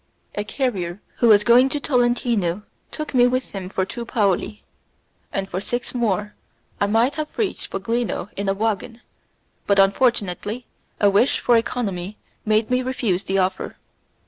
A carrier who was going to Tolentino took me with him for two paoli, and for six more I might have reached Foligno in a waggon, but unfortunately a wish for economy made me refuse the offer.